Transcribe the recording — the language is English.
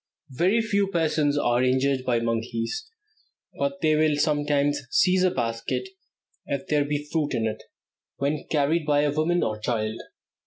Very few persons are injured by monkeys, but they will sometimes seize a basket, if there be fruit in it, when carried by a woman or child.